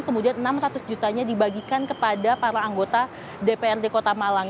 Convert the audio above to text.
kemudian enam ratus jutanya dibagikan kepada para anggota dprd kota malang